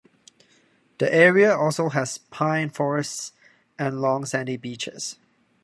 The area also has pine forests and long sandy beaches.